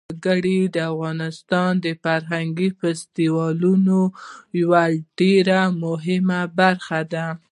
وګړي د افغانستان د فرهنګي فستیوالونو یوه ډېره مهمه برخه ده.